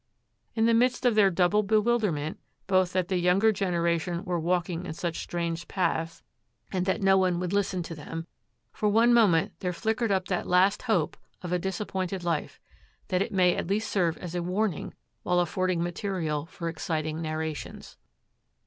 In the midst of their double bewilderment, both that the younger generation were walking in such strange paths and that no one would listen to them, for one moment there flickered up that last hope of a disappointed life, that it may at least serve as a warning while affording material for exciting narrations.